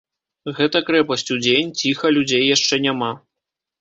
Гэта крэпасць удзень, ціха, людзей яшчэ няма.